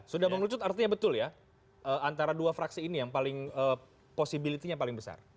sudah muncul artinya betul ya antara dua fraksi ini yang posibilitinya paling besar